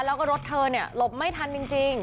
แล้วก็รถเธอหลบไม่ทันจริง